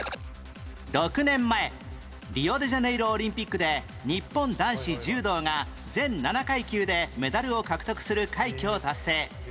６年前リオデジャネイロオリンピックで日本男子柔道が全７階級でメダルを獲得する快挙を達成